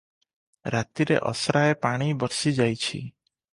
ରାତିରେ ଅସ୍ରାଏ ପାଣି ବର୍ଷିଯାଇଛି ।